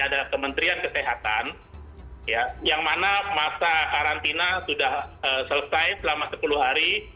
ada kementerian kesehatan yang mana masa karantina sudah selesai selama sepuluh hari